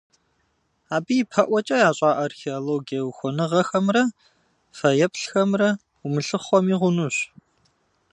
Абы ипэӀуэкӀэ ящӀа археологие ухуэныгъэхэмрэ фэеплъхэмрэ умылъыхъуэми хъунущ.